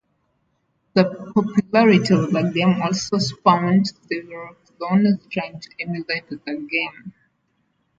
The popularity of the game also spawned several clones trying to emulate the game.